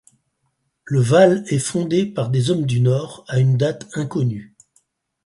Le Val est fondé par des Hommes du Nord à une date inconnue.